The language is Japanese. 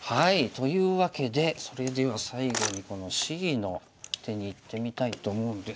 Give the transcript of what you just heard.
というわけでそれでは最後にこのＣの手にいってみたいと思うんですが。